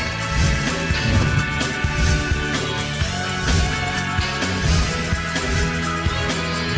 โอ้โหไทยแลนด์